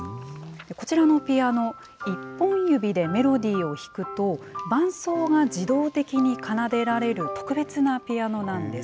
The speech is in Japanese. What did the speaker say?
こちらのピアノ、１本指でメロディーを弾くと、伴奏が自動的に奏でられる特別なピアノなんです。